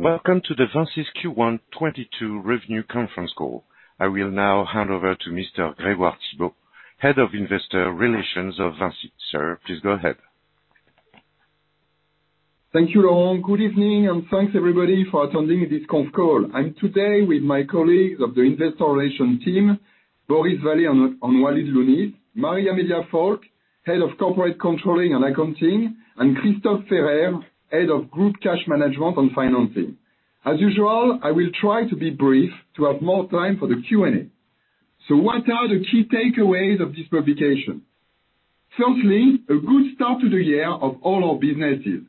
Welcome to the VINCI's Q1 2022 revenue conference call. I will now hand over to Mr. Grégoire Thibault, Head of Investor Relations of VINCI. Sir, please go ahead. Thank you, Laurent. Good evening, and thanks everybody for attending this conf call. I'm today with my colleagues of the Investor Relations team, Boris Vallée, and Walid Louhni, Amelia Falk, Head of Corporate Controlling and Accounting, and Christophe Ferrer, Head of Group Cash Management and Financing. As usual, I will try to be brief to have more time for the Q&A. What are the key takeaways of this publication? Firstly, a good start to the year of all our businesses.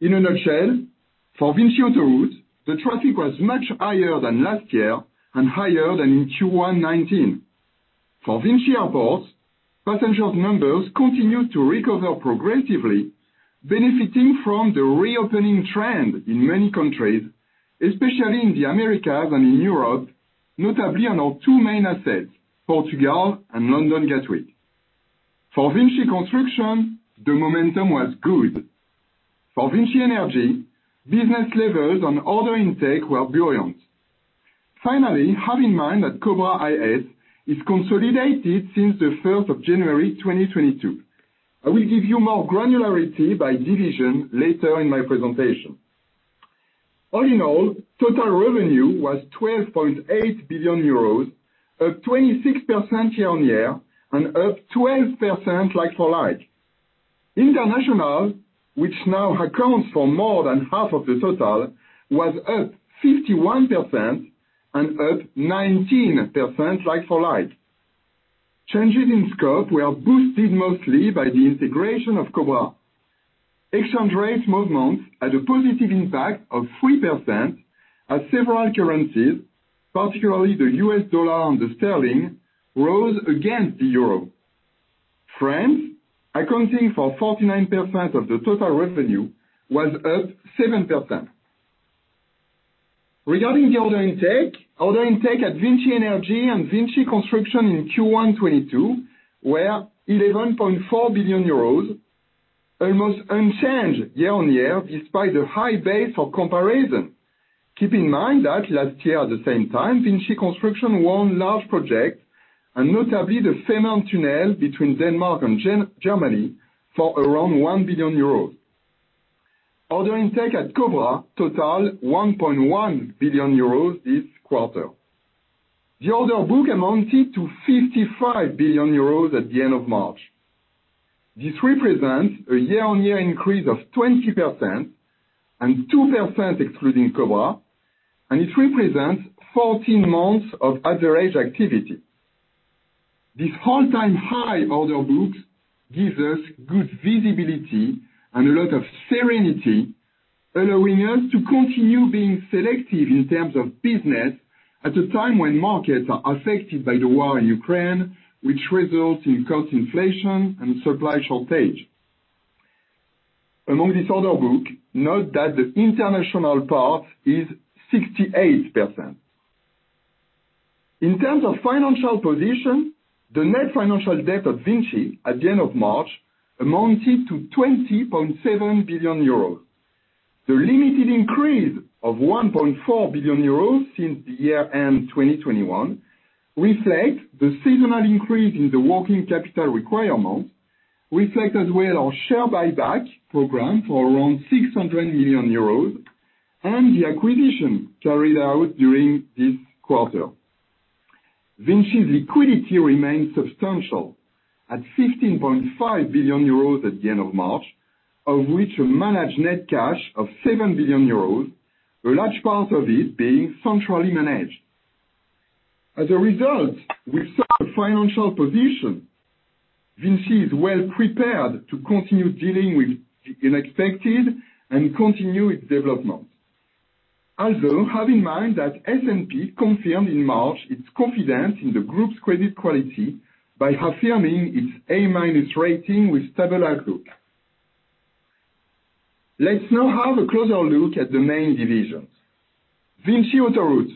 In a nutshell, for VINCI Autoroutes, the traffic was much higher than last year and higher than in Q1 2019. For VINCI Airports, passenger numbers continue to recover progressively benefiting from the reopening trend in many countries, especially in the Americas and in Europe, notably on our two main assets, Portugal and London Gatwick. For VINCI Construction, the momentum was good. For VINCI Energies, business levels on order intake were buoyant. Finally, have in mind that Cobra IS is consolidated since the first of January 2022. I will give you more granularity by division later in my presentation. All in all, total revenue was 12.8 billion euros, up 26% year-on-year and up 12% like for like. International, which now accounts for more than half of the total, was up 51% and up 19% like for like. Changes in scope were boosted mostly by the integration of Cobra IS. Exchange rate movements had a positive impact of 3% as several currencies, particularly the US dollar and the sterling, rose against the euro. France, accounting for 49% of the total revenue, was up 7%. Regarding the order intake, order intake at VINCI Energies and VINCI Construction in Q1 2022 were EUR 11.4 billion, almost unchanged year-on-year despite the high base of comparison. Keep in mind that last year at the same time, VINCI Construction won large project, and notably the Fehmarn Tunnel between Denmark and Germany for around 1 billion euros. Order intake at Cobra total 1.1 billion euros this quarter. The order book amounted to 55 billion euros at the end of March. This represents a year-on-year increase of 20% and 2% excluding Cobra, and it represents 14 months of average activity. This all-time high order book gives us good visibility and a lot of serenity, allowing us to continue being selective in terms of business at a time when markets are affected by the war in Ukraine, which results in cost inflation and supply shortage. Among this order book, note that the international part is 68%. In terms of financial position, the net financial debt of VINCI at the end of March amounted to 20.7 billion euros. The limited increase of 1.4 billion euros since year-end 2021 reflects the seasonal increase in the working capital requirement, as well as our share buyback program for around 600 million euros, and the acquisition carried out during this quarter. VINCI's liquidity remains substantial at 16.5 billion euros at the end of March, of which a managed net cash of 7 billion euros, a large part of it being centrally managed. As a result, with such financial position, VINCI is well prepared to continue dealing with the unexpected and continue its development. Also, have in mind that S&P confirmed in March its confidence in the group's credit quality by affirming its A- rating with stable outlook. Let's now have a closer look at the main divisions. VINCI Autoroutes.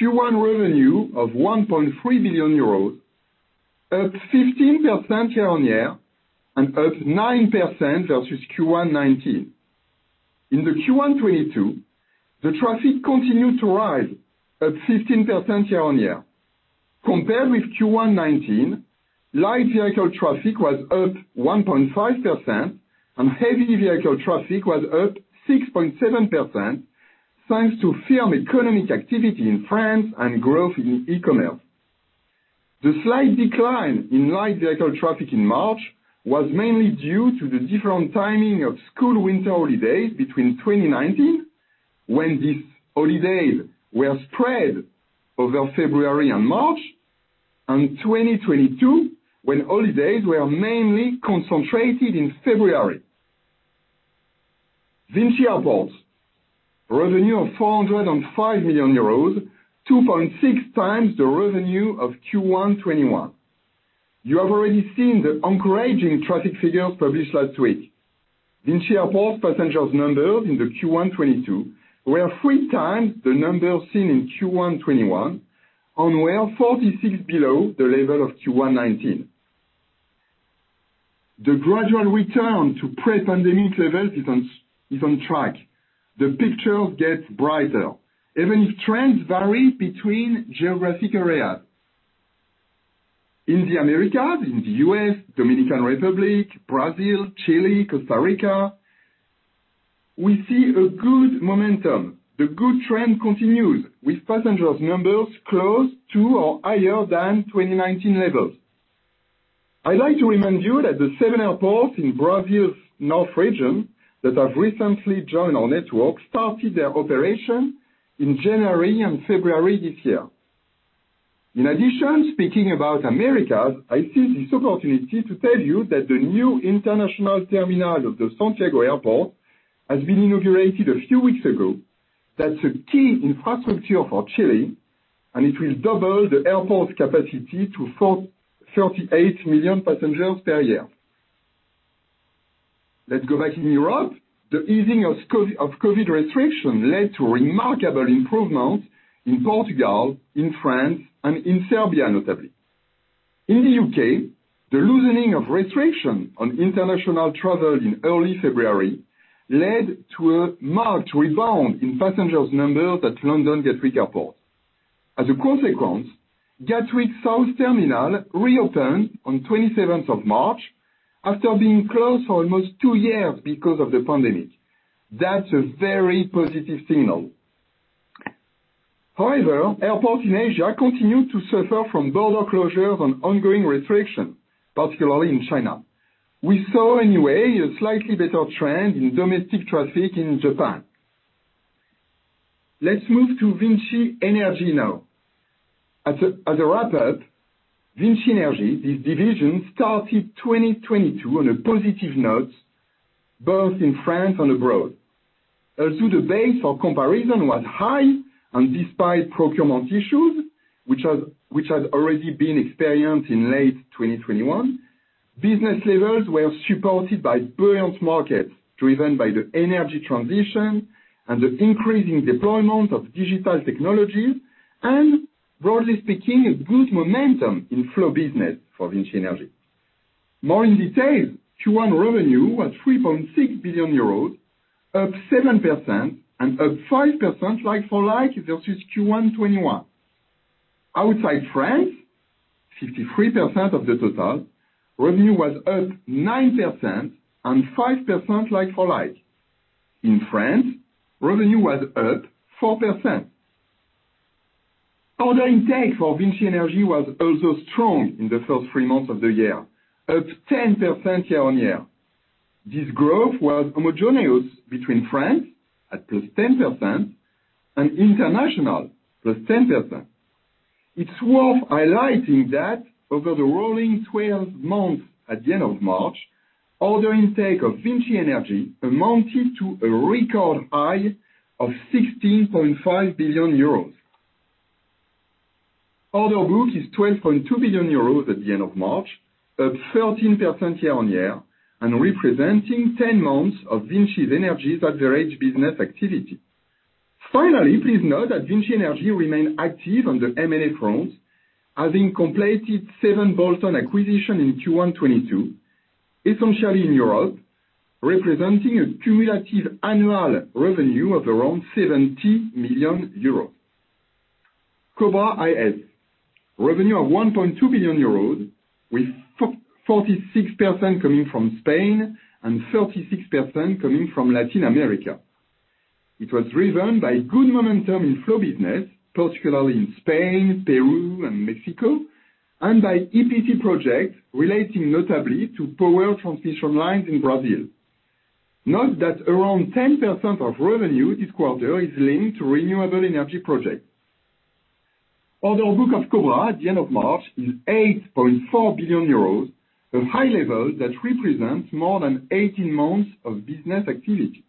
Q1 revenue of 1.3 billion euros, up 15% year-on-year and up 9% versus Q1 2019. In the Q1 2022, the traffic continued to rise, up 15% year-on-year. Compared with Q1 2019, light vehicle traffic was up 1.5% and heavy vehicle traffic was up 6.7%, thanks to firm economic activity in France and growth in e-commerce. The slight decline in light vehicle traffic in March was mainly due to the different timing of school winter holidays between 2019, when these holidays were spread over February and March. In 2022, when holidays were mainly concentrated in February. VINCI Airports revenue of 405 million euros, 2.6 times the revenue of Q1 2021. You have already seen the encouraging traffic figures published last week. VINCI Airports passenger numbers in Q1 2022 were 3 times the numbers seen in Q1 2021 and were 46% below the level of Q1 2019. The gradual return to pre-pandemic levels is on track. The picture gets brighter, even if trends vary between geographic areas. In the Americas, in the U.S., Dominican Republic, Brazil, Chile, Costa Rica, we see a good momentum. The good trend continues, with passenger numbers close to or higher than 2019 levels. I'd like to remind you that the 7 airports in Brazil's north region that have recently joined our network started their operation in January and February this year. In addition, speaking about Americas, I seize this opportunity to tell you that the new international terminal of the Santiago Airport has been inaugurated a few weeks ago. That's a key infrastructure for Chile, and it will double the airport's capacity to 38 million passengers per year. Let's go back in Europe. The easing of COVID restrictions led to remarkable improvements in Portugal, in France, and in Serbia, notably. In the U.K., the loosening of restrictions on international travel in early February led to a marked rebound in passenger numbers at London Gatwick Airport. As a consequence, Gatwick South Terminal reopened on the 27th of March after being closed for almost two years because of the pandemic. That's a very positive signal. However, airports in Asia continue to suffer from border closures and ongoing restrictions, particularly in China. We saw anyway a slightly better trend in domestic traffic in Japan. Let's move to VINCI Energies now. As a wrap-up, VINCI Energies, this division, started 2022 on a positive note, both in France and abroad. Although the base for comparison was high and despite procurement issues, which had already been experienced in late 2021, business levels were supported by buoyant markets, driven by the energy transition and the increasing deployment of digital technologies, and broadly speaking, a good momentum in flow business for VINCI Energies. More in detail, Q1 revenue was 3.6 billion euros, up 7% and up 5% like for like versus Q1 2021. Outside France, 53% of the total, revenue was up 9% and 5% like for like. In France, revenue was up 4%. Order intake for VINCI Energies was also strong in the first three months of the year, up 10% year-on-year. This growth was homogeneous between France, at +10%, and international, +10%. It's worth highlighting that over the rolling twelve months at the end of March, order intake of VINCI Energies amounted to a record high of 16.5 billion euros. Order book is 12.2 billion euros at the end of March, up 13% year on year and representing 10 months of VINCI Energies' average business activity. Finally, please note that VINCI Energies remains active on the M&A front, having completed 7 bolt-on acquisitions in Q1 2022, essentially in Europe, representing a cumulative annual revenue of around 70 million euros. Cobra IS, revenue of 1.2 billion euros, with 46% coming from Spain and 36% coming from Latin America. It was driven by good momentum in flow business, particularly in Spain, Peru, and Mexico, and by EPC projects relating notably to power transmission lines in Brazil. Note that around 10% of revenue this quarter is linked to renewable energy projects. Order book of Cobra at the end of March is 8.4 billion euros, a high level that represents more than 18 months of business activity.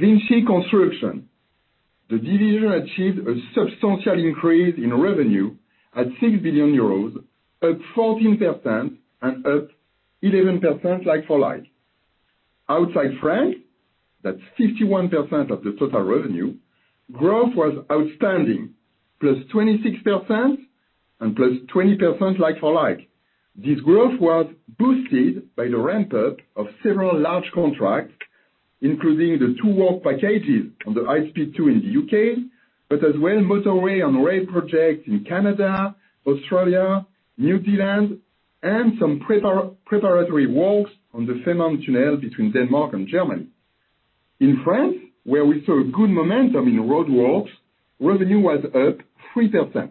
VINCI Construction. The division achieved a substantial increase in revenue at 6 billion euros, up 14% and up 11% like for like. Outside France, that's 51% of the total revenue, growth was outstanding, +26% and +20% like for like. This growth was boosted by the ramp-up of several large contracts, including the two work packages on the HS2 in the U.K., but as well motorway and rail projects in Canada, Australia, New Zealand, and some preparatory works on the Fehmarn tunnel between Denmark and Germany. In France, where we saw good momentum in road works, revenue was up 3%.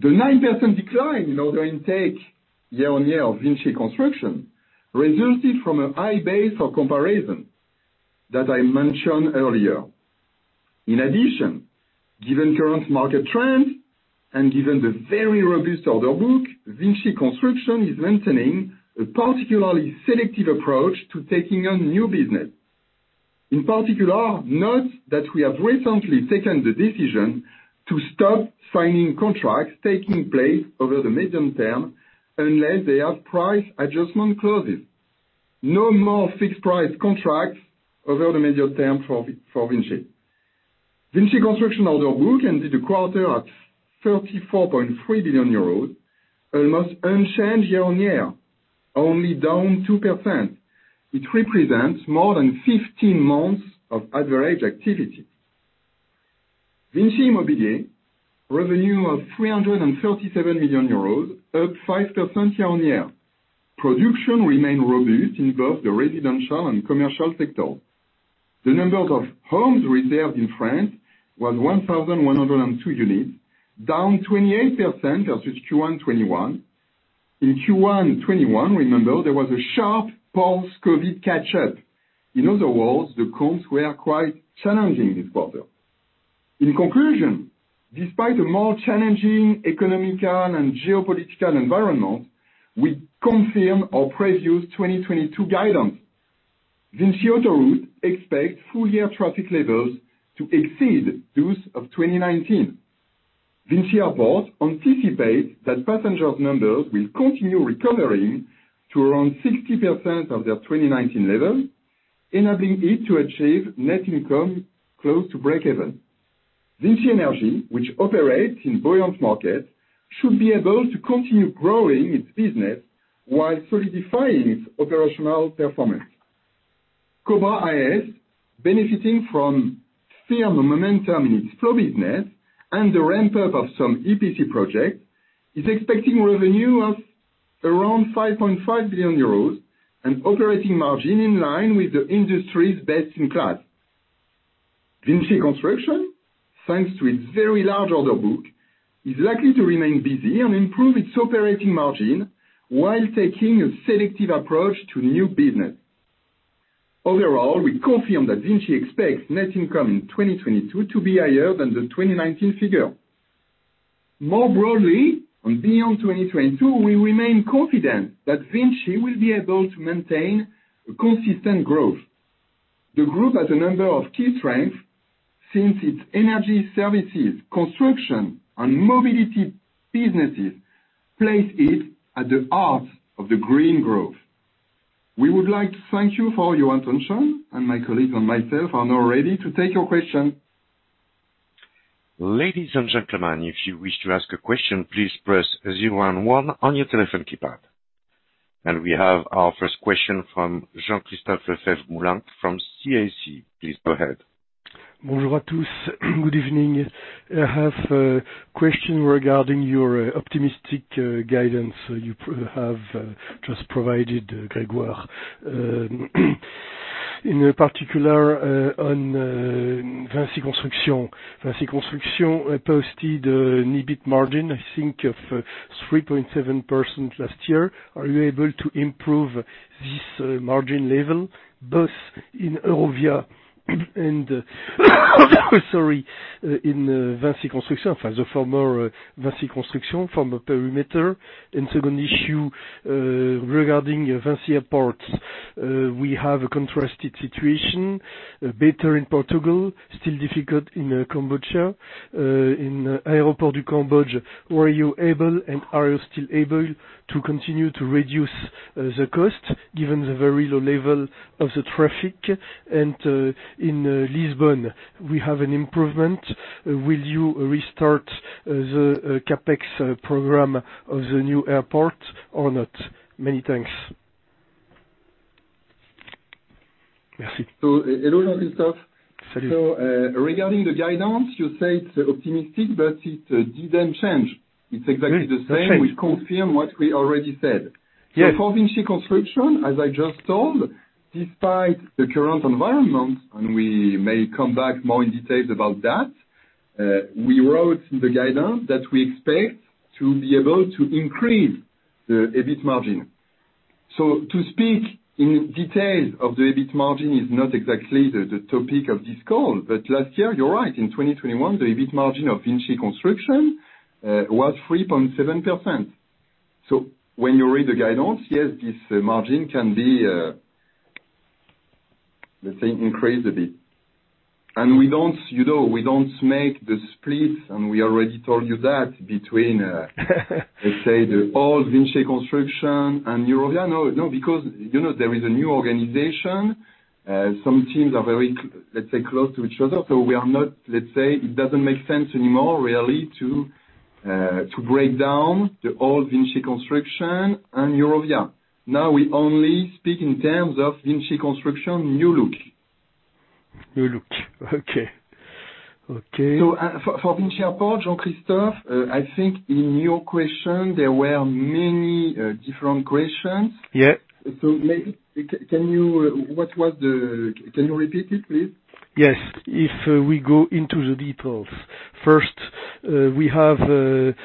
The 9% decline in order intake year-on-year of VINCI Construction resulted from a high base of comparison that I mentioned earlier. In addition, given current market trends and given the very robust order book, VINCI Construction is maintaining a particularly selective approach to taking on new business. In particular, note that we have recently taken the decision to stop signing contracts taking place over the medium term unless they have price adjustment clauses. No more fixed price contracts over the medium term for VINCI Construction. VINCI Construction order book ended the quarter at 34.3 billion euros, almost unchanged year-on-year, only down 2%. It represents more than 15 months of average activity. VINCI Immobilier revenue of 337 million euros, up 5% year-on-year. Production remained robust in both the residential and commercial sector. The number of homes reserved in France was 1,102 units, down 28% versus Q1 2021. In Q1 2021, remember, there was a sharp post-COVID catch-up. In other words, the comps were quite challenging this quarter. In conclusion, despite a more challenging economic and geopolitical environment, we confirm our previous 2022 guidance. VINCI Autoroutes expects full-year traffic levels to exceed those of 2019. VINCI Airports anticipates that passenger numbers will continue recovering to around 60% of their 2019 level, enabling it to achieve net income close to breakeven. VINCI Energies, which operates in a buoyant market, should be able to continue growing its business while solidifying its operational performance. Cobra IS, benefiting from firm momentum in its flow business and the ramp up of some EPC project, is expecting revenue of around 5.5 billion euros and operating margin in line with the industry's best in class. VINCI Construction, thanks to its very large order book, is likely to remain busy and improve its operating margin while taking a selective approach to new business. Overall, we confirm that VINCI expects net income in 2022 to be higher than the 2019 figure. More broadly, and beyond 2022, we remain confident that VINCI will be able to maintain a consistent growth. The group has a number of key strengths since its energy services, construction, and mobility businesses place it at the heart of the green growth. We would like to thank you for your attention, and my colleagues and myself are now ready to take your question. We have our first question from Jean-Christophe Lefèvre-Moulenq from CIC. Please go ahead. Good evening. I have a question regarding your optimistic guidance you have just provided, Grégoire. In particular, on Vinci Construction. Vinci Construction posted an EBIT margin, I think of 3.7% last year. Are you able to improve this margin level both in Eurovia and in Vinci Construction? As a whole for Vinci Construction perimeter. Second issue, regarding VINCI Airports. We have a contrasted situation, better in Portugal, still difficult in Cambodia. In Aéroport du Cambodge, were you able, and are you still able to continue to reduce the cost, given the very low level of the traffic? In Lisbon, we have an improvement. Will you restart the CapEx program of the new airport or not? Many thanks. Hello, Jean-Christophe. Regarding the guidance, you say it's optimistic, but it didn't change. It's exactly the same. We confirm what we already said. For VINCI Construction, as I just told, despite the current environment, and we may come back more in detail about that, we wrote in the guidance that we expect to be able to increase the EBIT margin. To speak in details of the EBIT margin is not exactly the topic of this call. Last year, you're right, in 2021, the EBIT margin of VINCI Construction was 3.7%. When you read the guidance, yes, this margin can be, let's say, increased a bit. We don't, you know, we don't make the split, and we already told you that, between, let's say, the old VINCI Construction and Eurovia. No, no, because, you know, there is a new organization. Some teams are very let's say, close to each other. We are not, let's say, it doesn't make sense anymore really to break down the old VINCI Construction and Eurovia. Now we only speak in terms of VINCI Construction new look. New look. Okay. Okay. For VINCI Airports, Jean-Christophe, I think in your question there were many different questions. Yeah. Can you repeat it, please? Yes. If we go into the details, first, we have a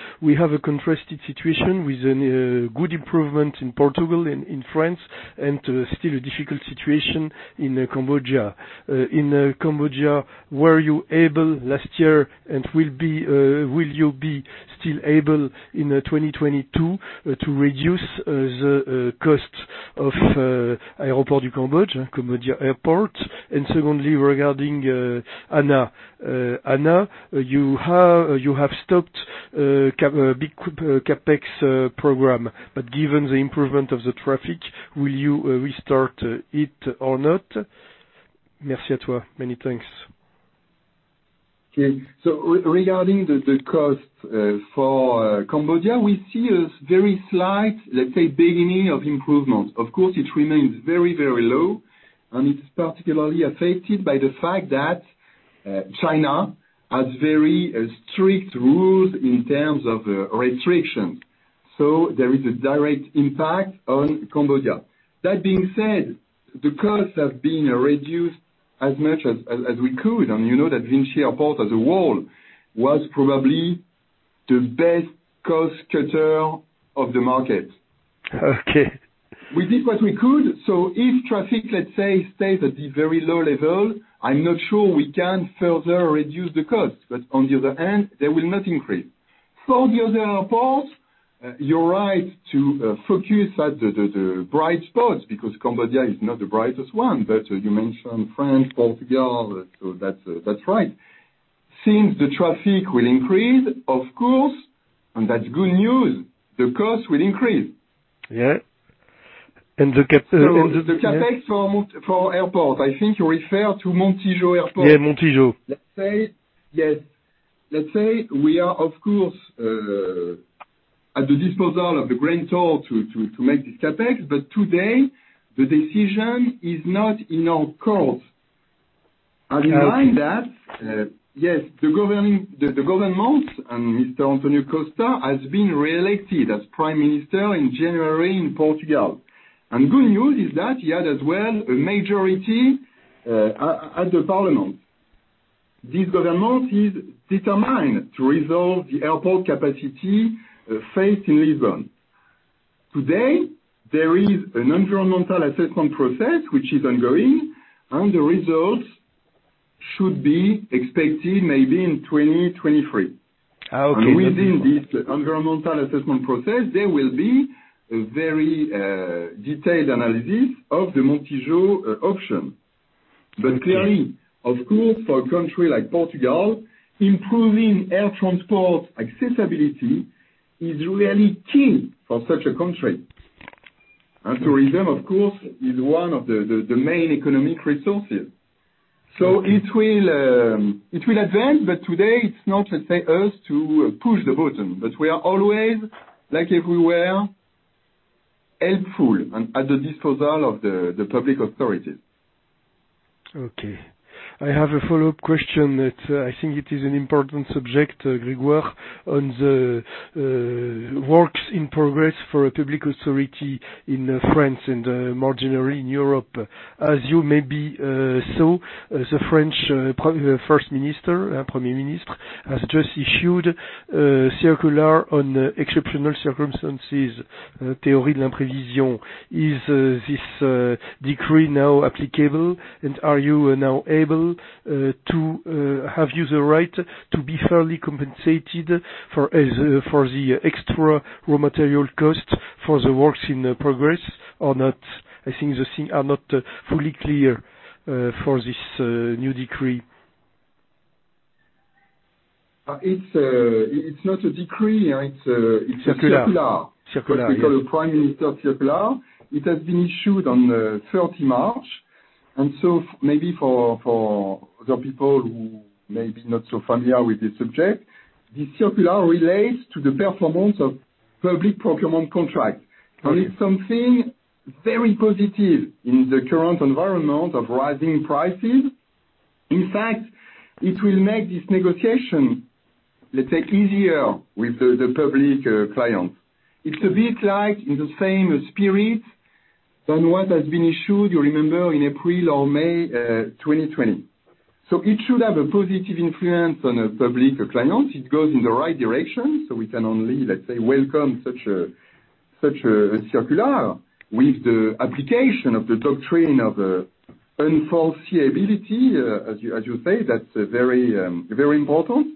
contrasted situation with a good improvement in Portugal and in France and still a difficult situation in Cambodia. In Cambodia, were you able last year and will you be still able in 2022 to reduce the cost of Cambodia Airports? And secondly, regarding ANA. ANA, you have stopped a big CapEx program. But given the improvement of the traffic, will you restart it or not? Merci à toi. Many thanks. Regarding the cost for Cambodia, we see a very slight, let's say, beginning of improvement. Of course, it remains very, very low, and it's particularly affected by the fact that China has very strict rules in terms of restriction. There is a direct impact on Cambodia. That being said, the costs have been reduced as much as we could, and you know that VINCI Airports as a whole was probably the best cost cutter of the market. Okay. We did what we could. If traffic, let's say, stays at the very low level, I'm not sure we can further reduce the cost, but on the other hand, they will not increase. For the other airports, you're right to focus at the bright spots because Cambodia is not the brightest one, but you mentioned France, Portugal, so that's right. Since the traffic will increase, of course, and that's good news, the cost will increase. Yeah. The CapEx The CapEx for airport, I think you refer to Montijo Airport. Yeah, Montijo. Let's say we are, of course, at the disposal of the grantors to make this CapEx, but today the decision is not in our court. Okay. Yes, the government and Mr. António Costa has been reelected as prime minister in January in Portugal. Good news is that he had as well a majority at the parliament. This government is determined to resolve the airport capacity faced in Lisbon. Today, there is an environmental assessment process which is ongoing, and the results should be expected maybe in 2023. Oh, okay. Within this environmental assessment process, there will be a very detailed analysis of the Montijo option. Okay. Clearly, of course, for a country like Portugal, improving air transport accessibility is really key for such a country. Tourism, of course, is one of the main economic resources. It will advance, but today it's not, let's say, us to push the button, but we are always, like everywhere, helpful and at the disposal of the public authorities. Okay. I have a follow-up question that, I think it is an important subject, Grégoire, on the works in progress for a public authority in France and more generally in Europe. As you maybe saw, the French Prime Minister has just issued a circular on exceptional circumstances, théorie de l'imprévision. Is this decree now applicable, and are you now able to have you the right to be fairly compensated for the extra raw material cost for the works in progress or not? I think the things are not fully clear for this new decree. It's not a decree. It's a- Circular circular. Circular. Yes. What we call a Prime Minister circular. It has been issued on 30 March. Maybe for the people who may not be so familiar with this subject, this circular relates to the performance of public procurement contract. Okay. It's something very positive in the current environment of rising prices. In fact, it will make this negotiation, let's say, easier with the public clients. It's a bit like in the same spirit than what has been issued, you remember, in April or May 2020. It should have a positive influence on the public clients. It goes in the right direction, so we can only, let's say, welcome such a circular with the application of the doctrine of unforeseeability, as you say, that's very important.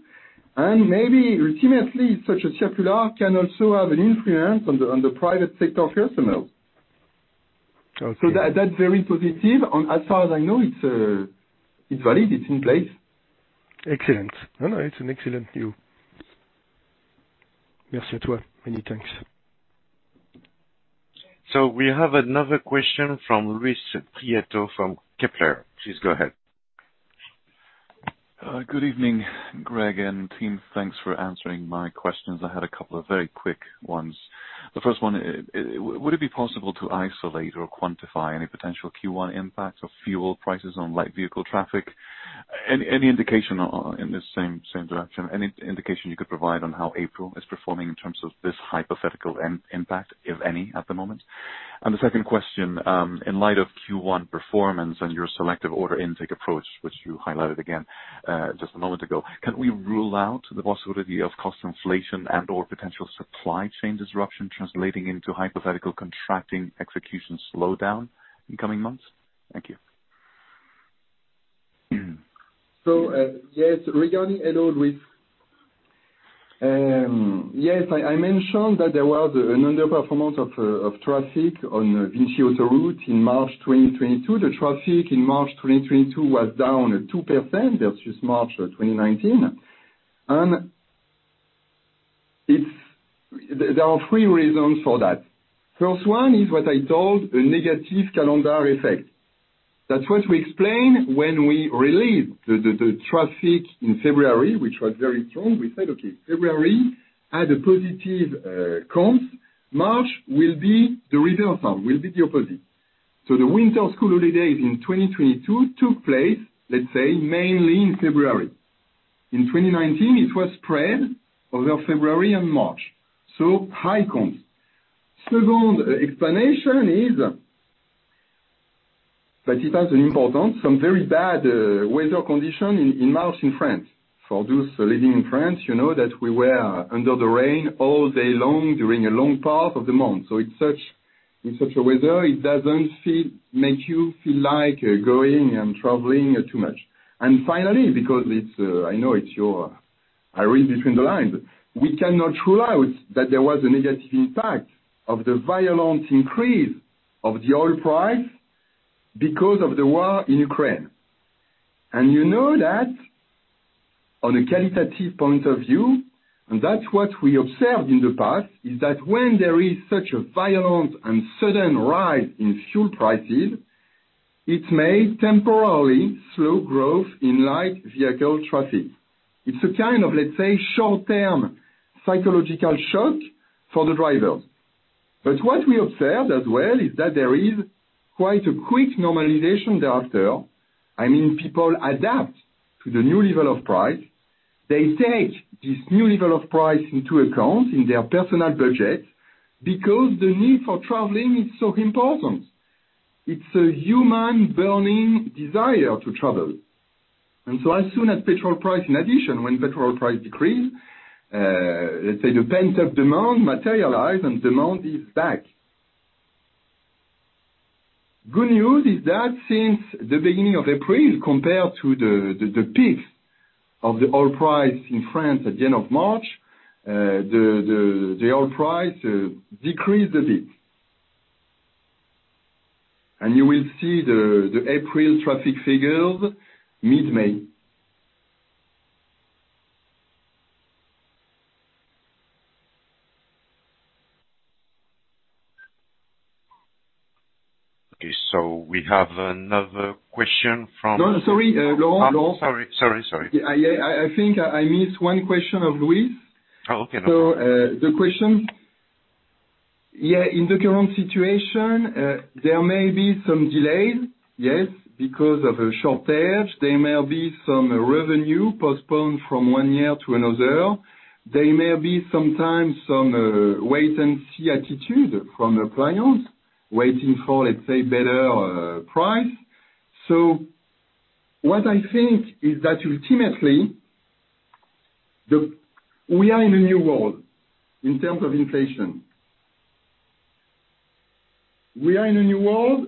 Maybe ultimately, such a circular can also have an influence on the private sector first of all. Okay. That, that's very positive. As far as I know, it's in place. Excellent. No, no, it's an excellent view. [Foreign language: Merci à toi.] Many thanks. We have another question from Luis Prieto from Kepler. Please go ahead. Good evening, Greg and team. Thanks for answering my questions. I had a couple of very quick ones. The first one, would it be possible to isolate or quantify any potential Q1 impacts of fuel prices on light vehicle traffic? Any indication in the same direction, any indication you could provide on how April is performing in terms of this hypothetical impact, if any, at the moment? The second question, in light of Q1 performance and your selective order intake approach, which you highlighted again just a moment ago, can we rule out the possibility of cost inflation and/or potential supply chain disruption translating into hypothetical contracting execution slowdown in coming months? Thank you. Yes, I mentioned that there was an underperformance of traffic on VINCI Autoroutes in March 2022. The traffic in March 2022 was down 2% versus March 2019. There are three reasons for that. First one is what I told, a negative calendar effect. That's what we explained when we released the traffic in February, which was very strong. We said, "Okay, February had a positive count. March will be the reverse effect, will be the opposite." The winter school holidays in 2022 took place, let's say, mainly in February. In 2019, it was spread over February and March. High counts. Second explanation is that it has importance, some very bad weather condition in March in France. For those living in France, you know that we were under the rain all day long during a long part of the month. In such a weather, it doesn't make you feel like going and traveling too much. Finally, because it's, I know it's your. I read between the lines. We cannot rule out that there was a negative impact of the violent increase of the oil price because of the war in Ukraine. You know that on a qualitative point of view, and that's what we observed in the past, is that when there is such a violent and sudden rise in fuel prices, it may temporarily slow growth in light vehicle traffic. It's a kind of, let's say, short-term psychological shock for the drivers. What we observed as well is that there is quite a quick normalization thereafter. I mean, people adapt to the new level of price. They take this new level of price into account in their personal budget because the need for traveling is so important. It's a human burning desire to travel. As soon as petrol price, in addition, when petrol price decrease, let's say the pent-up demand materialize and demand is back. Good news is that since the beginning of April, compared to the peak of the oil price in France at the end of March, the oil price decreased a bit. You will see the April traffic figures mid-May. Okay. We have another question from No, sorry, Laurent. Sorry. Yeah, I think I missed one question of Luis. Oh, okay. No problem. In the current situation, there may be some delays, yes, because of a shortage. There may be some revenue postponed from one year to another. There may be some wait and see attitude from the clients, waiting for, let's say, better price. What I think is that ultimately, we are in a new world in terms of inflation. We are in a new world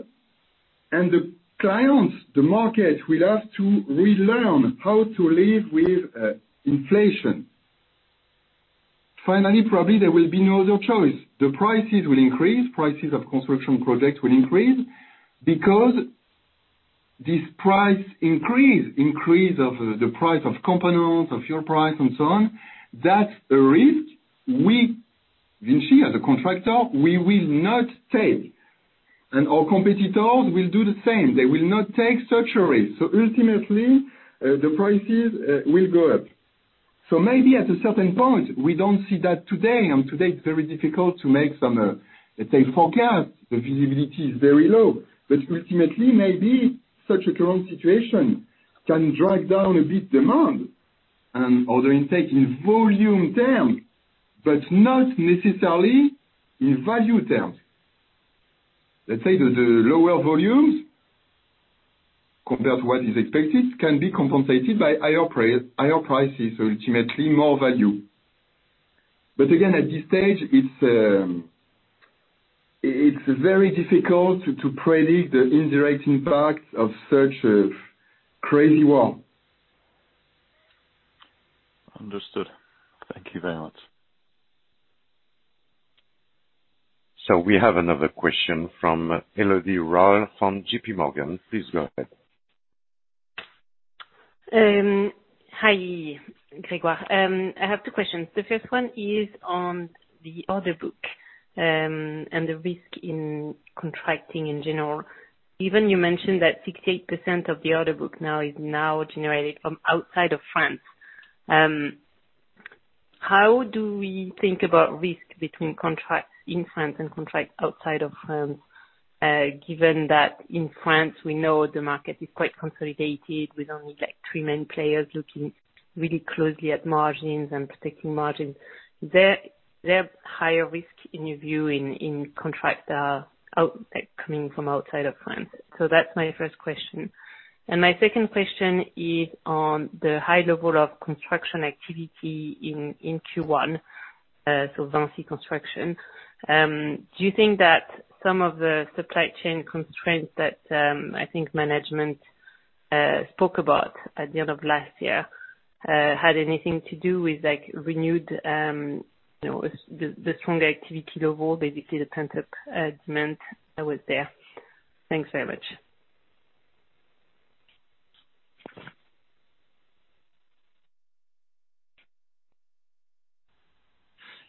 and the clients, the market will have to relearn how to live with inflation. Finally, probably there will be no other choice. The prices will increase, prices of construction projects will increase, because this price increase of the price of components, of fuel price and so on, that's a risk we, VINCI as a contractor, will not take. Our competitors will do the same. They will not take such a risk. Ultimately, the prices will go up. Maybe at a certain point, we don't see that today, and today it's very difficult to make some, let's say forecast. The visibility is very low. Ultimately, maybe such a current situation can drive down a bit demand and order intake in volume terms, but not necessarily in value terms. Let's say the lower volumes compared to what is expected can be compensated by higher prices, ultimately more value. Again, at this stage it's very difficult to predict the indirect impact of such a crazy world. Understood. Thank you very much. We have another question from Elodie Rall from JPMorgan. Please go ahead. Hi, Grégoire. I have two questions. The first one is on the order book and the risk in contracting in general. Even you mentioned that 68% of the order book now is generated from outside of France. How do we think about risk between contracts in France and contracts outside of France, given that in France, we know the market is quite consolidated with only like three main players looking really closely at margins and protecting margins? There are higher risk in your view in contract, like coming from outside of France. So that's my first question. My second question is on the high level of construction activity in Q1, so VINCI Construction. Do you think that some of the supply chain constraints that, I think management spoke about at the end of last year, had anything to do with like renewed, you know, the stronger activity level, basically the pent-up demand that was there? Thanks very much.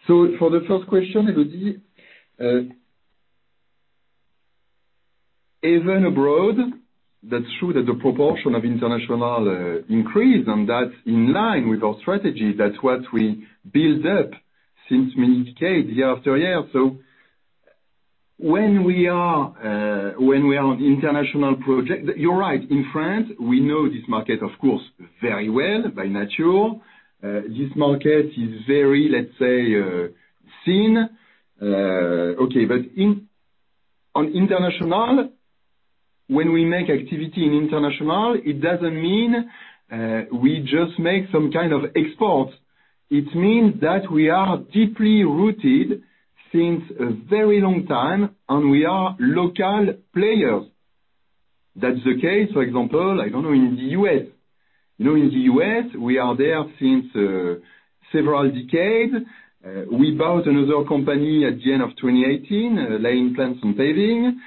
For the first question, Elodie, even abroad, that's true that the proportion of international increase and that's in line with our strategy. That's what we build up since many decades, year after year. When we are on international project. You're right. In France, we know this market, of course, very well by nature. This market is very, let's say, thin. Okay, but on international, when we make activity in international, it doesn't mean we just make some kind of export. It means that we are deeply rooted since a very long time, and we are local players. That's the case, for example, I don't know, in the U.S. You know, in the U.S., we are there since several decades. We bought another company at the end of 2018, Lane plants on paving.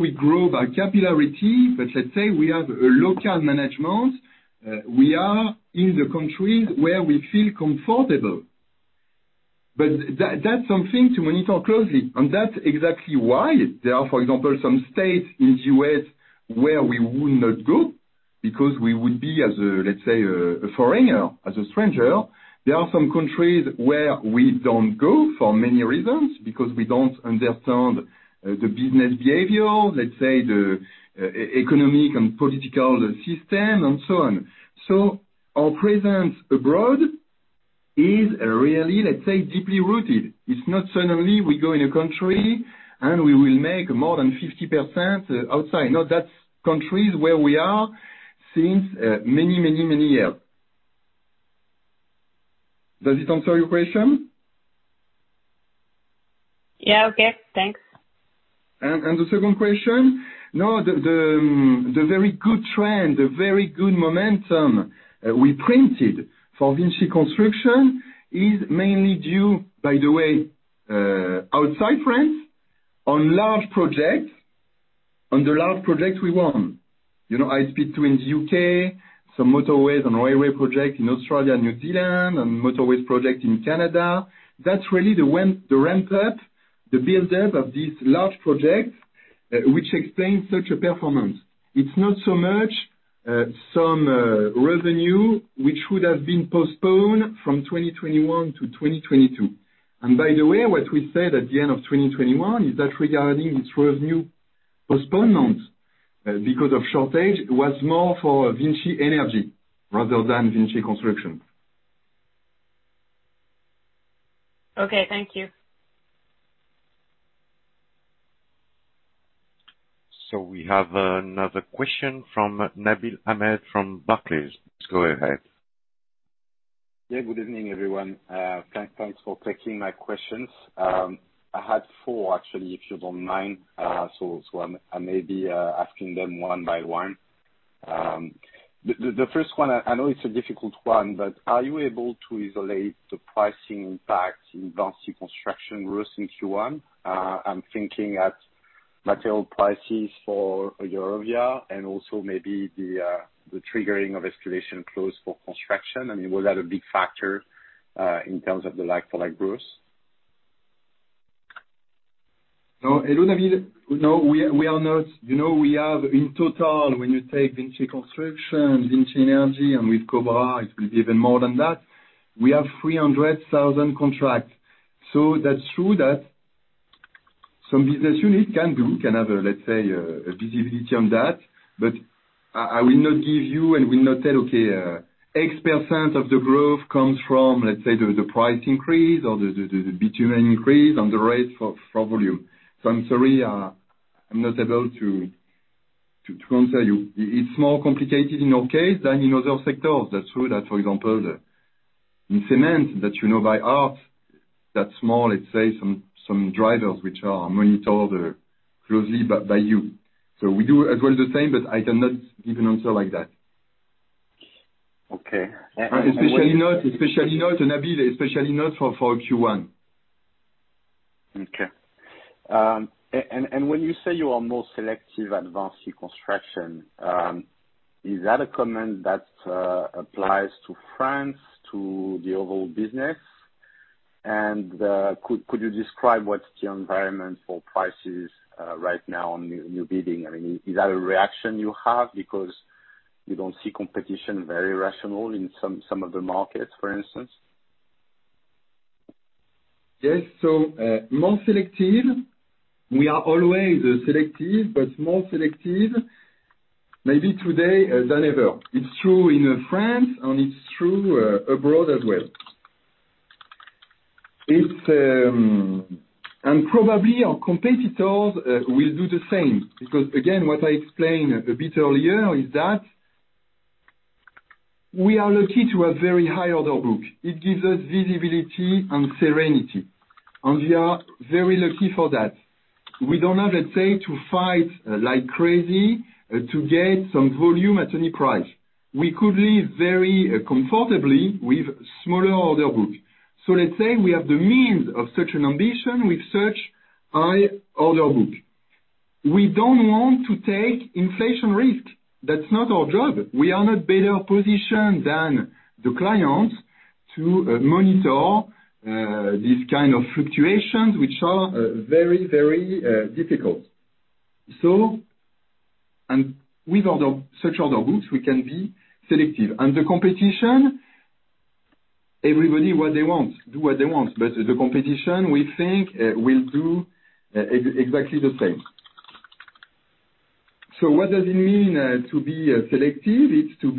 We grow by capillarity. Let's say we have a local management. We are in the countries where we feel comfortable. That, that's something to monitor closely. That's exactly why there are, for example, some states in the U.S. where we would not go because we would be as, let's say, a foreigner, as a stranger. There are some countries where we don't go for many reasons because we don't understand the business behavior, let's say the economic and political system and so on. Our presence abroad is really, let's say, deeply rooted. It's not suddenly we go in a country, and we will make more than 50 percent outside. No, that's countries where we are since many years. Does it answer your question? Yeah. Okay. Thanks. The second question. No, the very good trend, the very good momentum we printed for VINCI Construction is mainly due, by the way, outside France on large projects, on the large projects we won. You know, I speak of in the U.K., some motorways and railway projects in Australia and New Zealand and motorways project in Canada. That's really the ramp up, the build-up of these large projects, which explains such a performance. It's not so much, some revenue which would have been postponed from 2021-2022. By the way, what we said at the end of 2021 is that regarding this revenue postponement, because of shortage, it was more for VINCI Energies rather than VINCI Construction. Okay. Thank you. We have another question from Nabil Ahmed from Barclays. Go ahead. Yeah, good evening, everyone. Thanks for taking my questions. I had four actually, if you don't mind. So I may be asking them one by one. The first one, I know it's a difficult one, but are you able to isolate the pricing impact in VINCI Construction growth in Q1? I'm thinking at material prices for Eurovia and also maybe the triggering of escalation clause for construction. I mean, was that a big factor in terms of the like for like growth? No, we are not. You know, we have in total, when you take VINCI Construction, VINCI Energies, and with Cobra, it will be even more than that, we have 300,000 contracts. So that's true that some business unit can have, let's say, a visibility on that. But I will not give you, and will not say, "Okay, X% of the growth comes from, let's say, the price increase or the procurement increase and the rate for volume." So I'm sorry, I'm not able to answer you. It's more complicated in your case than in other sectors. That's true. For example, in cement that you know by heart, that some drivers which are monitored closely by you. We do agree the same, but I cannot give an answer like that. Okay. Especially not, Nabil, especially not for Q1. Okay. When you say you are more selective at VINCI Construction, is that a comment that applies to France, to the overall business? Could you describe what's the environment for prices right now on new bidding? I mean, is that a reaction you have because you don't see competition very rational in some of the markets, for instance? Yes. More selective. We are always selective, but more selective maybe today than ever. It's true in France, and it's true abroad as well. It's probably our competitors will do the same because, again, what I explained a bit earlier is that we are lucky to have very high order book. It gives us visibility and serenity, and we are very lucky for that. We don't have, let's say, to fight like crazy to get some volume at any price. We could live very comfortably with smaller order book. Let's say we have the means of such an ambition with such high order book. We don't want to take inflation risk. That's not our job. We are not better positioned than the clients to monitor this kind of fluctuations, which are very, very difficult. With all such other routes, we can be selective. The competition, everybody, what they want, do what they want. The competition, we think, will do exactly the same. What does it mean to be selective? It's to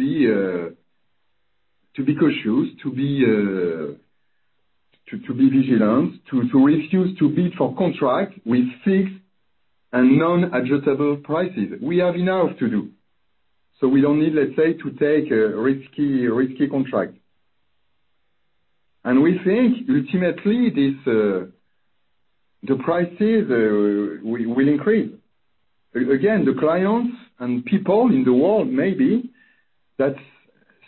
be cautious, to be vigilant, to refuse to bid for contract with fixed and non-adjustable prices. We have enough to do. We don't need, let's say, to take a risky contract. We think ultimately the prices will increase. Again, the clients and people in the world, maybe that's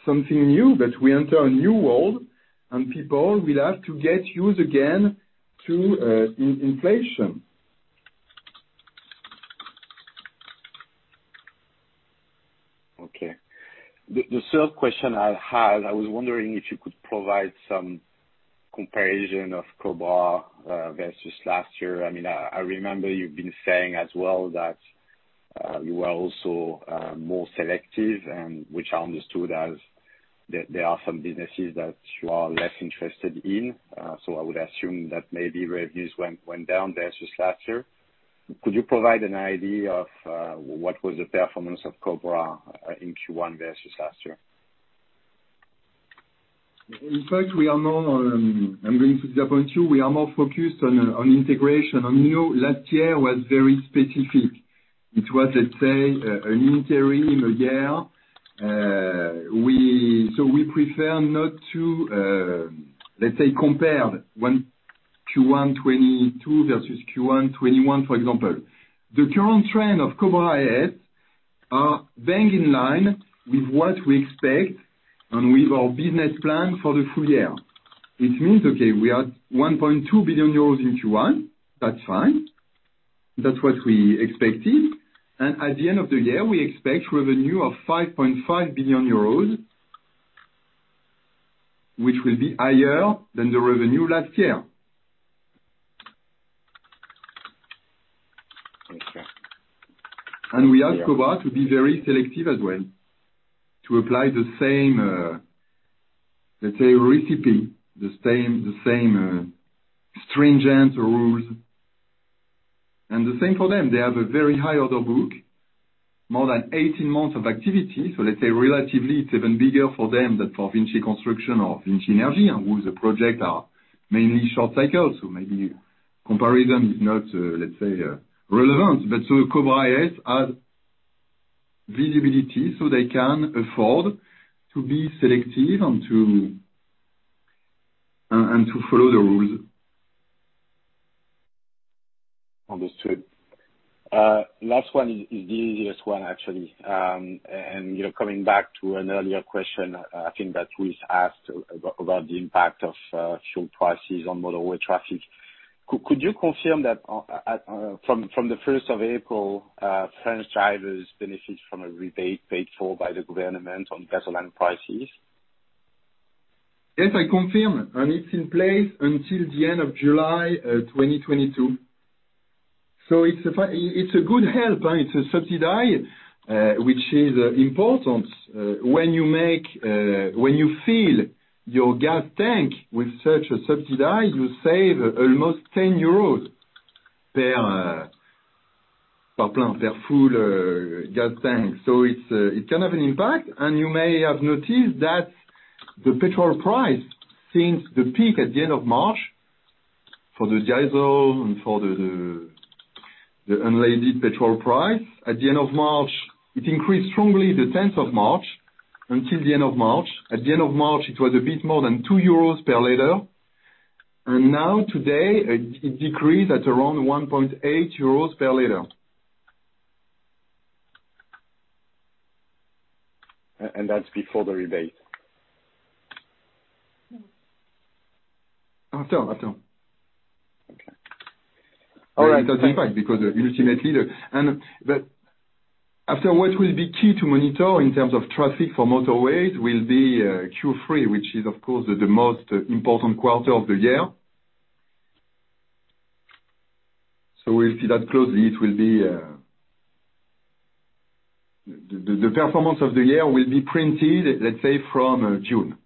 something new, but we enter a new world, and people will have to get used again to inflation. Okay. The third question I had, I was wondering if you could provide some comparison of Cobra versus last year. I mean, I remember you've been saying as well that you are also more selective and which I understood as there are some businesses that you are less interested in. I would assume that maybe revenues went down versus last year. Could you provide an idea of what was the performance of Cobra in Q1 versus last year? In fact, we are more to the point, too. We are more focused on integration. You know, last year was very specific. It was, let's say, an interim year. We prefer not to, let's say, compare Q1 2022 versus Q1 2021, for example. The current trend of Cobra IS are bang in line with what we expect and with our business plan for the full year. It means, okay, we are 1.2 billion euros in Q1. That's fine. That's what we expected. At the end of the year, we expect revenue of 5.5 billion euros, which will be higher than the revenue last year. Okay. We ask Cobra IS to be very selective as well, to apply the same, let's say, recipe, the same stringent rules. The same for them. They have a very high order book, more than 18 months of activity. Let's say relatively, it's even bigger for them than for VINCI Construction or VINCI Energies, and whose projects are mainly short cycle, so maybe comparison is not, let's say, relevant. Cobra IS has visibility, so they can afford to be selective and to follow the rules. Understood. Last one is the easiest one actually. You know, coming back to an earlier question, I think that we asked about the impact of fuel prices on motorway traffic. Could you confirm that from the first of April, French drivers benefit from a rebate paid for by the government on gasoline prices? Yes, I confirm, it's in place until the end of July 2022. It's a good help, right? It's a subsidy, which is important. When you fill your gas tank with such a subsidy, you save almost 10 euros per full gas tank. It can have an impact, and you may have noticed that the petrol price since the peak at the end of March, for the diesel and for the unleaded petrol price, at the end of March, it increased strongly the tenth of March until the end of March. At the end of March, it was a bit more than 2 euros per liter. Now today it decreased at around 1.8 euros per liter. That's before the rebate? After. Okay. All right. That's the impact because ultimately, what will be key to monitor in terms of traffic for motorways will be Q3, which is of course the most important quarter of the year. We'll see that closely. The performance of the year will be driven, let's say, from June.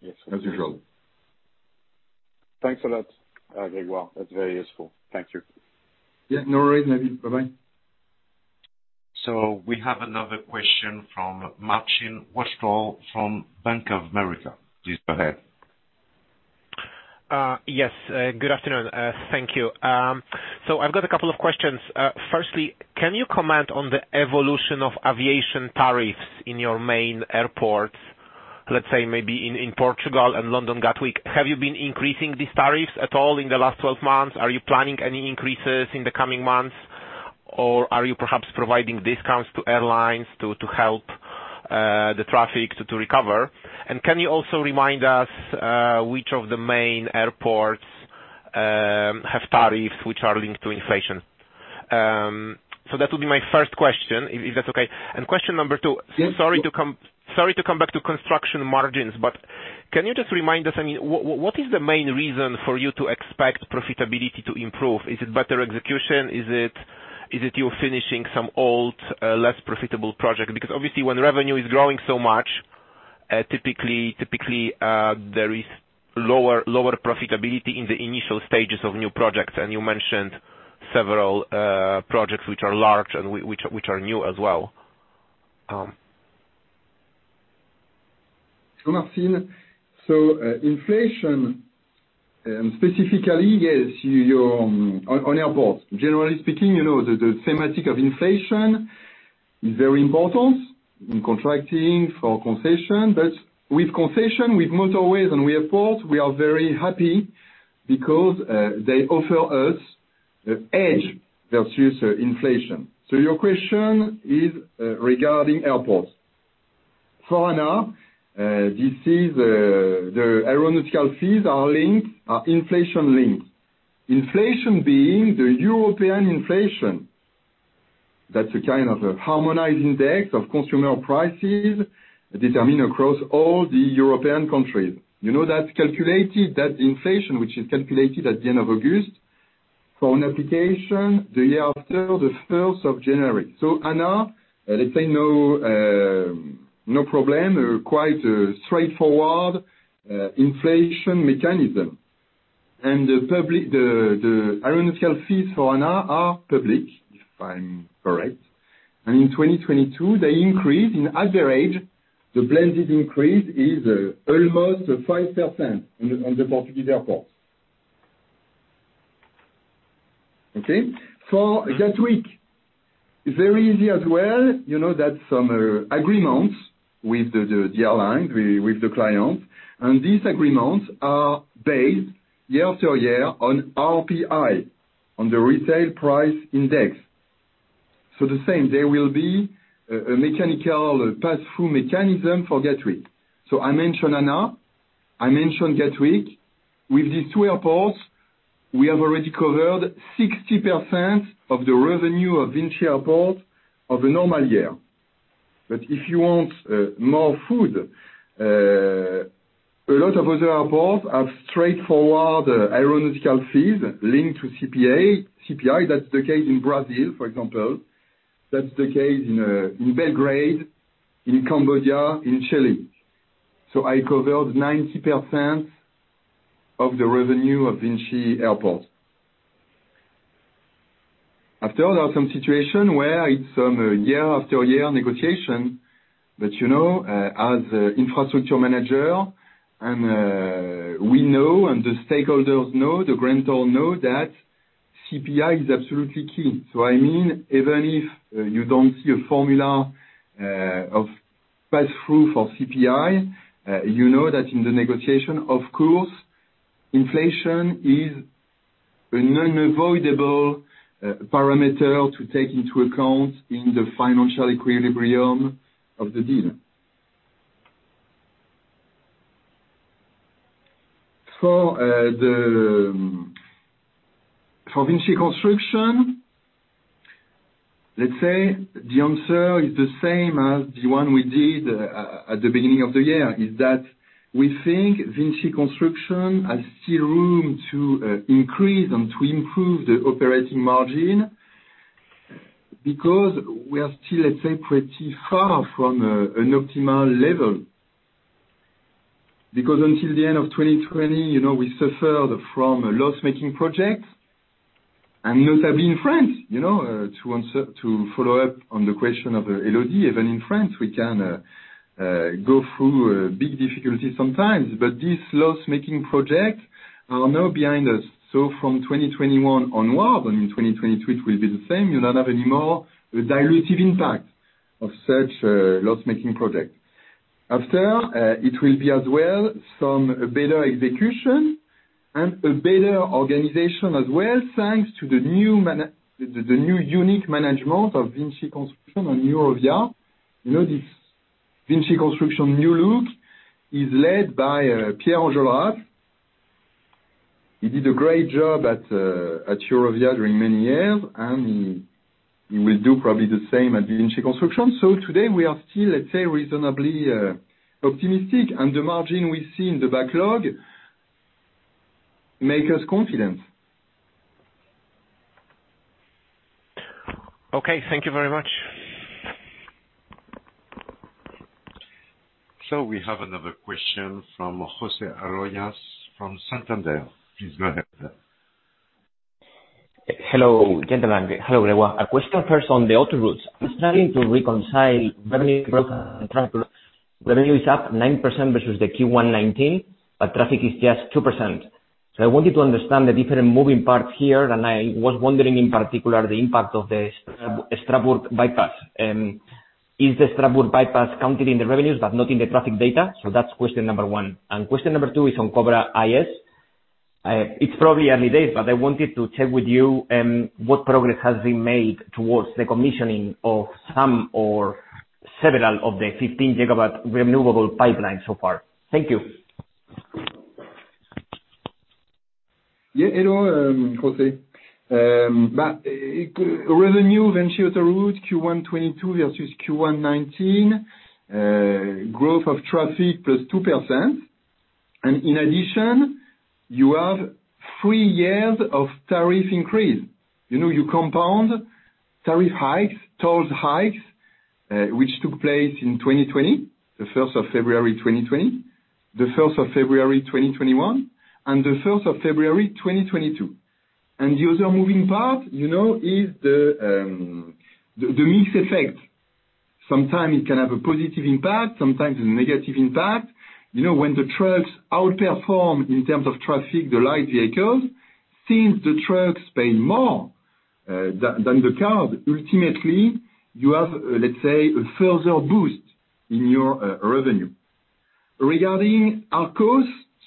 Yes. As usual. Thanks a lot, Grégoire. That's very useful. Thank you. Yeah, no worries, Nabil. Bye-bye. We have another question from Marcin Wojtal from Bank of America. Please go ahead. Yes. Good afternoon. Thank you. I've got a couple of questions. Firstly, can you comment on the evolution of aviation tariffs in your main airports, let's say maybe in Portugal and London Gatwick? Have you been increasing these tariffs at all in the last 12 months? Are you planning any increases in the coming months? Or are you perhaps providing discounts to airlines to help the traffic to recover? And can you also remind us, which of the main airports have tariffs which are linked to inflation? That would be my first question if that's okay. Question number 2- Yes, sure. Sorry to come back to construction margins, but can you just remind us, I mean, what is the main reason for you to expect profitability to improve? Is it better execution? Is it you finishing some old, less profitable project? Because obviously, when revenue is growing so much, typically, there is lower profitability in the initial stages of new projects. You mentioned several projects which are large and which are new as well. Marcin, inflation specifically, yes, you're on airports. Generally speaking, you know, the thematic of inflation is very important in contracting for concession. With concessions, with motorways and airports, we are very happy because they offer us an edge versus inflation. Your question is regarding airports. So, ANA, you see the aeronautical fees are linked, inflation linked. Inflation being the European inflation. That's a kind of a harmonized index of consumer prices determined across all the European countries. You know that's calculated, that inflation which is calculated at the end of August. For an application, the year after the first of January. ANA, let's say no problem, quite a straightforward inflation mechanism. The aeronautical fees for ANA are public, if I'm correct. In 2022, they increase. In other words, the blended increase is almost 5% on the Portuguese airport. Okay? For Gatwick, it's very easy as well. You know that some agreements with the airline, with the clients, and these agreements are based year to year on RPI, on the retail price index. The same, there will be a mechanical pass-through mechanism for Gatwick. I mentioned ANA, I mentioned Gatwick. With these two airports, we have already covered 60% of the revenue of VINCI Airports of a normal year. If you want more food, a lot of other airports have straightforward aeronautical fees linked to CPI. That's the case in Brazil, for example. That's the case in Belgrade, in Cambodia, in Chile. I covered 90% of the revenue of VINCI Airports. After all, there are some situations where it's from year after year negotiation, but you know, as infrastructure manager and, we know, and the stakeholders know, the grantors know that CPI is absolutely key. So I mean, even if you don't see a formula, of pass-through for CPI, you know that in the negotiation, of course, inflation is an unavoidable, parameter to take into account in the financial equilibrium of the deal. For VINCI Construction, let's say the answer is the same as the one we did at the beginning of the year, is that we think VINCI Construction has still room to, increase and to improve the operating margin, because we are still, let's say, pretty far from, an optimal level. Because until the end of 2020, you know, we suffered from loss-making projects. Those have been in France, you know, to answer, to follow up on the question of Elodie. Even in France, we can go through big difficulties sometimes. These loss-making projects are now behind us. From 2021 onwards, I mean, 2022 it will be the same, you'll not have any more dilutive impact of such loss-making projects. It will be as well some better execution and a better organization as well, thanks to the new unique management of VINCI Construction and Eurovia. You know, this VINCI Construction new look is led by Pierre Anjolras. He did a great job at Eurovia during many years, and he will do probably the same at VINCI Construction. Today we are still, let's say, reasonably optimistic, and the margin we see in the backlog make us confident. Okay, thank you very much. We have another question from José Arroyas from Santander. Please go ahead. Hello, gentlemen. Hello, Grégoire. A question first on the autoroutes. I'm struggling to reconcile revenue growth and traffic. Revenue is up 9% versus the Q1 2019, but traffic is just 2%. I wanted to understand the different moving parts here, and I was wondering in particular the impact of the Strasbourg bypass. Is the Strasbourg bypass counted in the revenues but not in the traffic data? That's question number one. Question number two is on Cobra IS. It's probably early days, but I wanted to check with you, what progress has been made towards the commissioning of some or several of the 15 GW renewable pipeline so far? Thank you. Yeah, hello, José. Revenue VINCI Autoroutes Q1 2022 versus Q1 2019, growth of traffic +2%. In addition, you have three years of tariff increase. You know, you compound tariff hikes, toll hikes, which took place in 2020, the first of February 2020, the first of February 2021, and the first of February 2022. The other moving part, you know, is the mixed effect. Sometimes it can have a positive impact, sometimes a negative impact. You know, when the trucks outperform in terms of traffic, the light vehicles, since the trucks pay more than the cars, ultimately you have, let's say, a further boost in your revenue. Regarding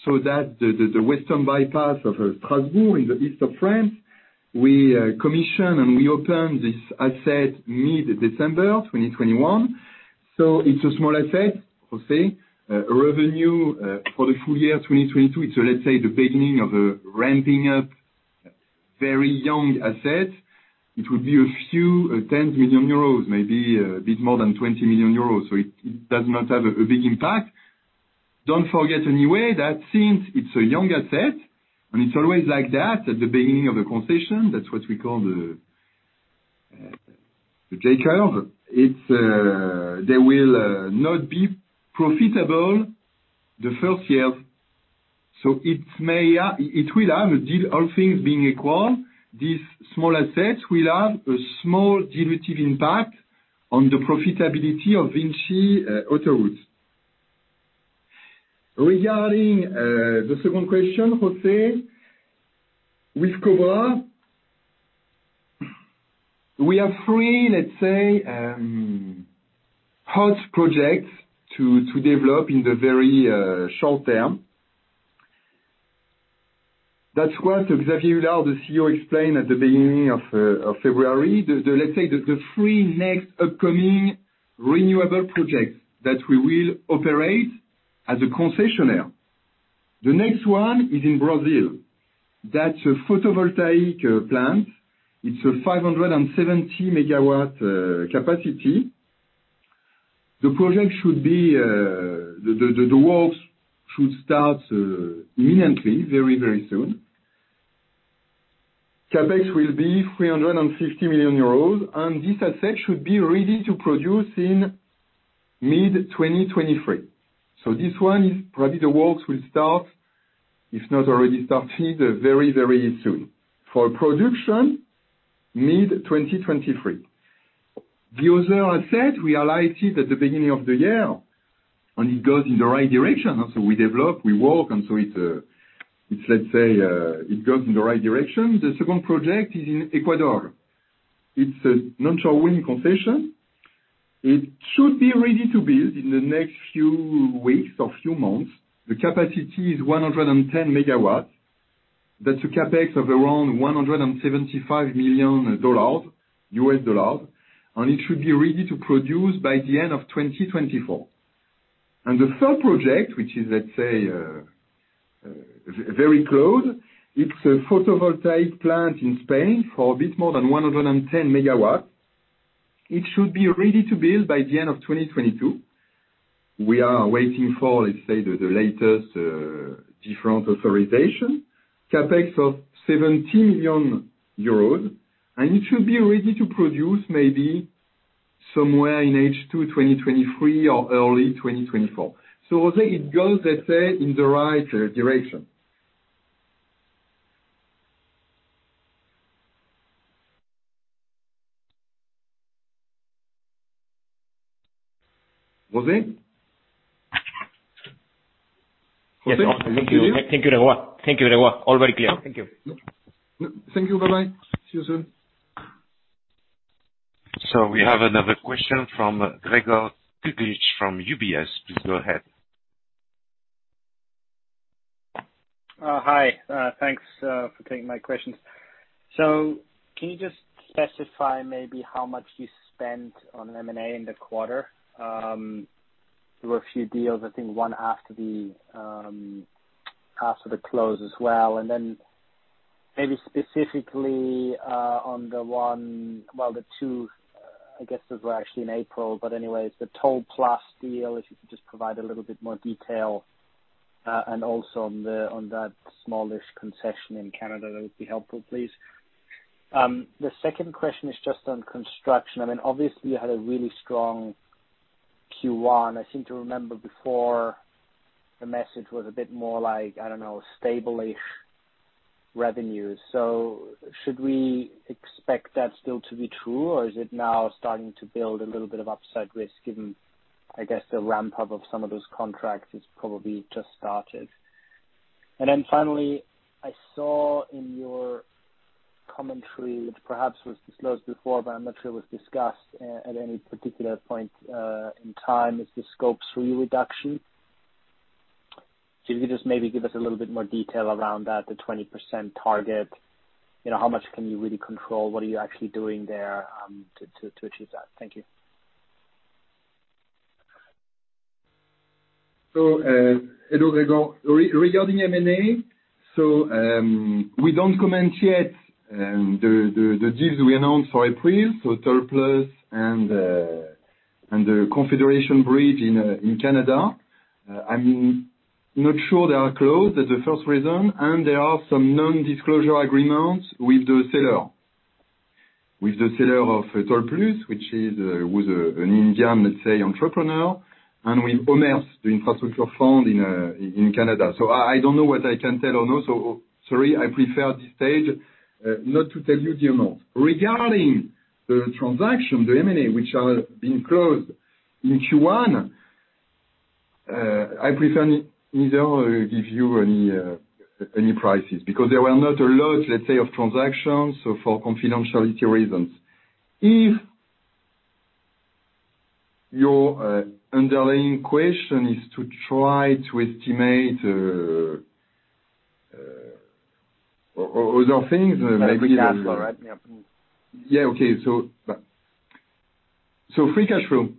ARCOS, the western bypass of Strasbourg in the east of France, we commission and we open this asset mid-December 2021. It's a small asset, José, revenue for the full year 2022. Let's say the beginning of a ramping up very young asset. It will be a few 10 million euros, maybe a bit more than 20 million euros. It does not have a big impact. Don't forget anyway that since it's a young asset, and it's always like that at the beginning of the concession, that's what we call the daycare. It's. They will not be profitable the first year. It will have a drag all things being equal. This small asset will have a small dilutive impact on the profitability of VINCI Autoroutes. Regarding the second question, José, with Cobra, we have three, let's say, hot projects to develop in the very short term. That's what Xavier Huillard, the CEO, explained at the beginning of February. The let's say, the three next upcoming renewable projects that we will operate as a concessionaire. The next one is in Brazil. That's a photovoltaic plant. It's a 570-megawatt capacity. The project should be the works should start imminently, very, very soon. CapEx will be 350 million euros, and this asset should be ready to produce in mid-2023. This one is probably the works will start, if not already started, very, very soon. For production, mid-2023. The other asset we highlighted at the beginning of the year, and it goes in the right direction. We develop, we work, and so it's, let's say, it goes in the right direction. The second project is in Ecuador. It's a non-toll wind concession. It should be ready to build in the next few weeks or few months. The capacity is 110 MW. That's a CapEx of around $175 million, and it should be ready to produce by the end of 2024. The third project, which is, let's say, very close, it's a photovoltaic plant in Spain for a bit more than 110 MW. It should be ready to build by the end of 2022. We are waiting for, let's say, the latest different authorization. CapEx of 70 million euros, and it should be ready to produce maybe somewhere in H2 2023 or early 2024. I think it goes, let's say, in the right direction. José? José, can you hear? Yes. Thank you, Grégoire. All very clear. Thank you. Thank you. Bye-bye. See you soon. We have another question from Gregor Kuglitsch from UBS. Please go ahead. Hi. Thanks for taking my questions. Can you just specify maybe how much you spent on M&A in the quarter? There were a few deals, I think half of them closed as well, and then maybe specifically on the two, I guess those were actually in April. Anyways, the TollPlus deal, if you could just provide a little bit more detail, and also on that smallish concession in Canada, that would be helpful, please. The second question is just on construction. I mean, obviously you had a really strong Q1. I seem to remember before the message was a bit more like, I don't know, stable-ish revenue. Should we expect that still to be true, or is it now starting to build a little bit of upside risk given, I guess, the ramp up of some of those contracts has probably just started? Then finally, I saw in your commentary that perhaps was disclosed before, but I'm not sure it was discussed at any particular point in time, is the Scope 3 reduction. Could you just maybe give us a little bit more detail around that, the 20% target? You know, how much can you really control? What are you actually doing there to achieve that? Thank you. Regarding M&A. We don't comment yet on the deals we announced for April, TollPlus and the Confederation Bridge in Canada. I'm not sure they are closed, that's the first reason, and there are some non-disclosure agreements with the seller of TollPlus, which is with an Indian, let's say, entrepreneur, and with OMERS, the infrastructure fund in Canada. I don't know what I can tell or not, sorry, I prefer at this stage not to tell you the amount. Regarding the transactions, the M&A which are being closed in Q1, I prefer not to give you any prices because there were not a lot, let's say, of transactions, for confidentiality reasons. If your underlying question is to try to estimate other things, maybe. Free cash flow, right? Yep. Yeah, okay. Free cash flow.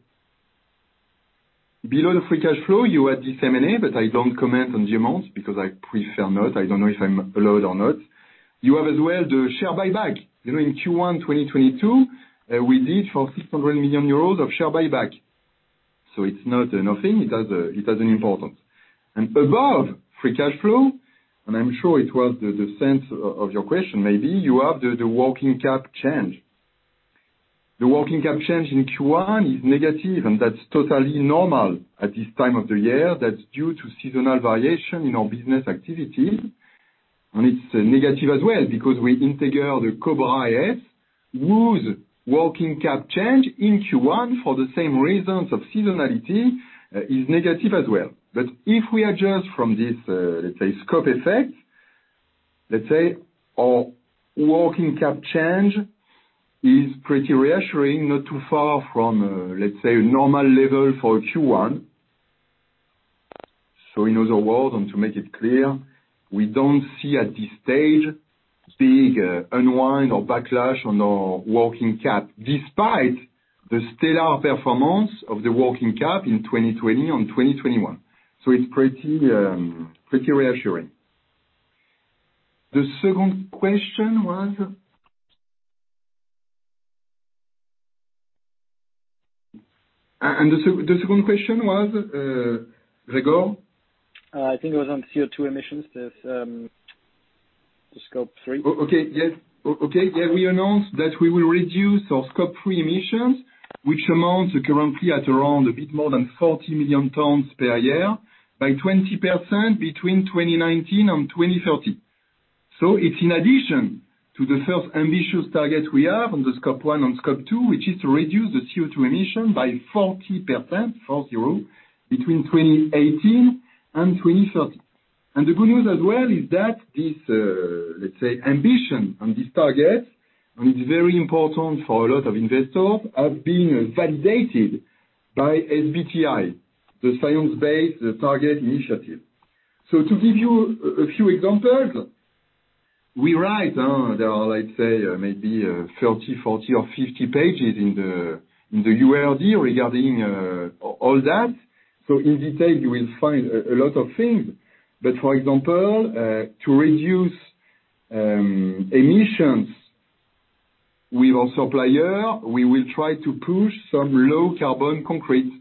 Below the free cash flow, you had this M&A, but I don't comment on the amounts because I prefer not. I don't know if I'm allowed or not. You have as well the share buyback. You know, in Q1 2022, we did 600 million euros of share buyback. It's not nothing. It has an importance. Above free cash flow, and I'm sure it was the sense of your question maybe, you have the working cap change. The working cap change in Q1 is negative, and that's totally normal at this time of the year. That's due to seasonal variation in our business activity. It's negative as well because we integrate the Cobra IS, whose working cap change in Q1, for the same reasons of seasonality, is negative as well. If we adjust from this, let's say, scope effect, let's say our working cap change is pretty reassuring, not too far from, let's say a normal level for Q1. In other words, and to make it clear, we don't see at this stage big, unwind or backlash on our working cap, despite the stellar performance of the working cap in 2020 and 2021. It's pretty reassuring. The second question was Gregor? I think it was on CO2 emissions, the Scope 3. Okay, yes. Okay, yeah, we announced that we will reduce our Scope 3 emissions, which amounts currently at around a bit more than 40 million tons per year, by 20% between 2019 and 2030. It's in addition to the first ambitious target we have on the Scope 1 and Scope 2, which is to reduce the CO2 emission by 40%, 40, between 2018 and 2030. The good news as well is that this, let's say, ambition on this target, and it's very important for a lot of investors, are being validated by SBTi, the Science Based Targets initiative. To give you a few examples, we write, there are, let's say, maybe, 30, 40 or 50 pages in the URD regarding all that. In detail, you will find a lot of things. For example, to reduce emissions with our supplier, we will try to push some low carbon concrete.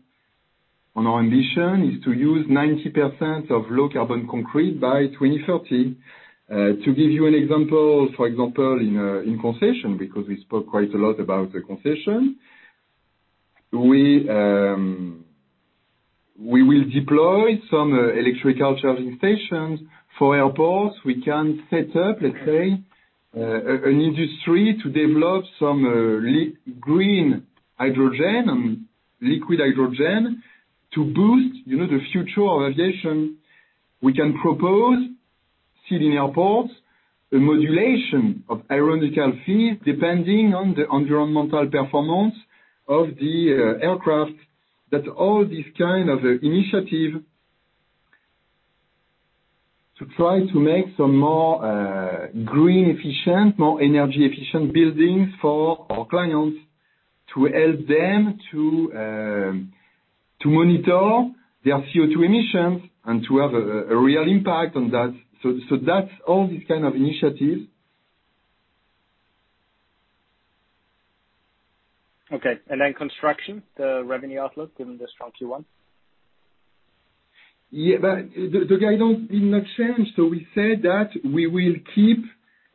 Our ambition is to use 90% of low carbon concrete by 2030. To give you an example, for example, in concession, because we spoke quite a lot about the concession, we will deploy some electrical charging stations for airports. We can set up, let's say, an industry to develop some green hydrogen and liquid hydrogen to boost, you know, the future of aviation. We can propose city airports, a modulation of aeronautical fees, depending on the environmental performance of the aircraft. That's all this kind of initiative to try to make some more green efficient, more energy efficient buildings for our clients to help them to monitor their CO2 emissions and to have a real impact on that. That's all these kind of initiatives. Okay. Construction, the revenue outlook given the strong Q1. Yeah, but the guidance did not change. We said that we will keep,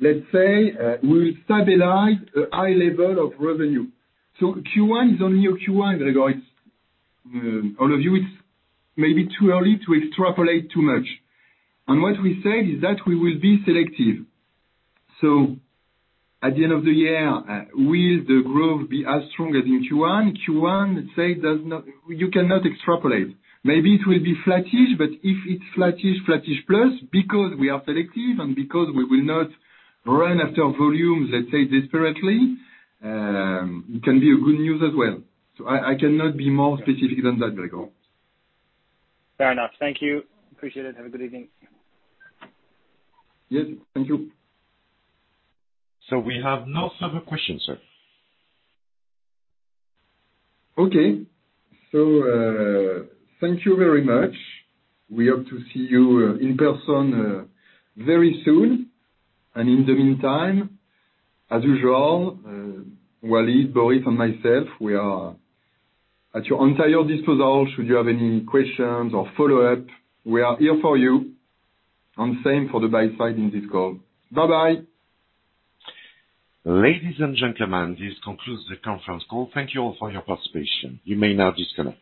let's say, we'll stabilize the high level of revenue. Q1 is only a Q1 regard. All of you, it's maybe too early to extrapolate too much. What we said is that we will be selective. At the end of the year, will the growth be as strong as in Q1? Q1, let's say, you cannot extrapolate. Maybe it will be flattish, but if it's flattish plus, because we are selective and because we will not run after volumes, let's say desperately, it can be a good news as well. I cannot be more specific than that, Gregor. Fair enough. Thank you. Appreciate it. Have a good evening. Yes, thank you. We have no further questions, sir. Okay. Thank you very much. We hope to see you in person very soon. In the meantime, as usual, Walid, Boris, and myself, we are at your entire disposal should you have any questions or follow-up. We are here for you. Same for the buy side in this call. Bye-bye. Ladies and gentlemen, this concludes the conference call. Thank you all for your participation. You may now disconnect.